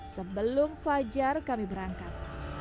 sebelum fajar kami berangkat